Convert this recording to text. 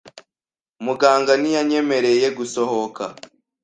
Muganga ntiyanyemereye gusohoka .